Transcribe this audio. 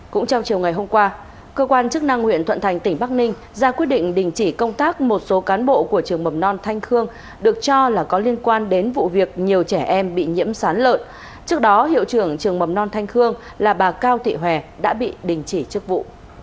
cũng trong chiều ngày hôm qua cơ quan chức năng huyện thuận thành tỉnh bắc ninh ra quyết định đình chỉ công tác một số cán bộ của trường mầm non thanh khương được cho là có liên quan đến vụ việc nhiều trẻ em bị nhiễm sán lợn trước đó hiệu trưởng trường mầm non thanh khương là bà cao thị hòe đã bị đình chỉ chức vụ